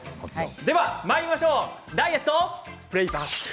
ではまいりましょうダイエットプレイバック。